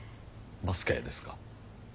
バスケですか？